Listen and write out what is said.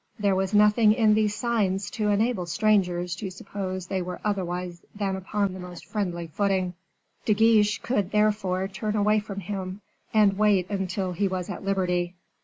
There was nothing in these signs to enable strangers to suppose they were otherwise than upon the most friendly footing. De Guiche could therefore turn away from him, and wait until he was at liberty.